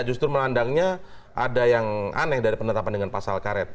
justru melandangnya ada yang aneh dari penetapan dengan pasal karet